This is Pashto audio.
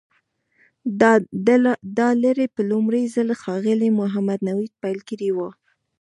دا لړۍ په لومړي ځل ښاغلي محمد نوید پیل کړې وه.